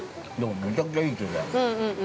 ◆むちゃくちゃいい経験。